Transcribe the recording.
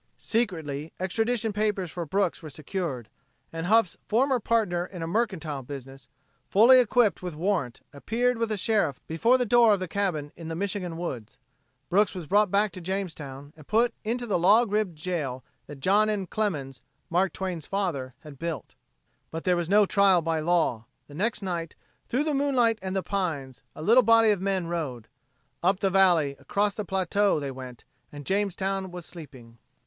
Secretly, extradition papers for Brooks were secured, and Huff's former partner in a mercantile business, fully equipped with warrant appeared with a sheriff before the door of the cabin in the Michigan woods, Brooks was brought back to Jamestown, and put into the log ribbed jail that John M. Clemens, "Mark Twain's" father, had built. But there was no trial by law. The next night, through the moonlight and the pines, a little body of men rode. Up the valley, across the plateau, they went, and Jamestown was sleeping.